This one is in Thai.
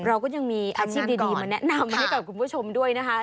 เราก็ยังมีอาชีพดีมาแนะนำให้กับคุณผู้ชมด้วยนะคะ